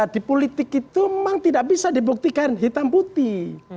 di politik itu memang tidak bisa dibuktikan hitam putih